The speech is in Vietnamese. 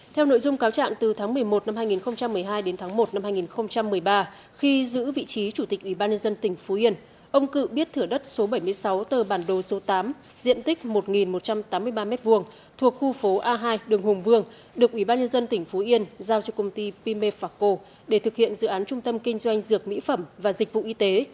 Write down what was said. theo nội dung cáo trạng từ tháng một mươi một năm hai nghìn một mươi hai đến tháng một năm hai nghìn một mươi ba khi giữ vị trí chủ tịch ủy ban nhân dân tỉnh phú yên ông cự biết thửa đất số bảy mươi sáu tờ bản đồ số tám diện tích một nghìn một trăm tám mươi ba m hai thuộc khu phố a hai đường hùng vương được ủy ban nhân dân tỉnh phú yên giao cho công ty pimefaco để thực hiện dự án trung tâm kinh doanh dược mỹ phẩm và dịch vụ y tế